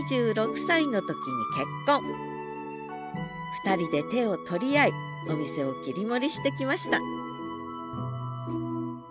２人で手を取り合いお店を切り盛りしてきました